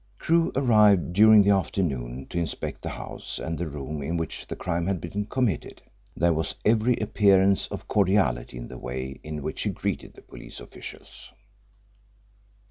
Crewe arrived during the afternoon to inspect the house and the room in which the crime had been committed. There was every appearance of cordiality in the way in which he greeted the police officials.